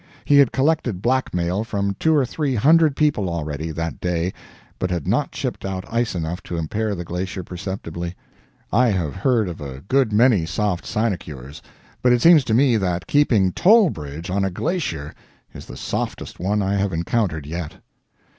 He had collected blackmail from two or three hundred people already, that day, but had not chipped out ice enough to impair the glacier perceptibly. I have heard of a good many soft sinecures, but it seems to me that keeping toll bridge on a glacier is the softest one I have encountered yet.